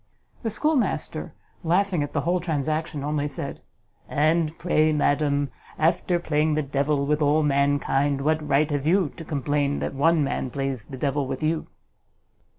The schoolmaster, laughing at the whole transaction, only said, "And pray, madam, after playing the devil with all mankind, what right have you to complain that one man plays the devil with you?"